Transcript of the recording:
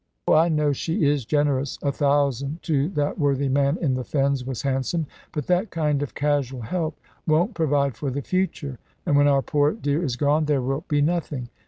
"Oh, I know she is generous. A thousand to that worthy man in the Fens was handsome; but that kind of casual help won't provide for the future; and when our poor dear is gone there will be nothing.